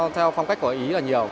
theo phong cách của ý là nhiều